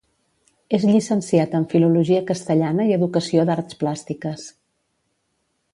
És llicenciat en Filologia castellana i Educació d’Arts Plàstiques.